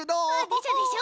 でしょでしょ？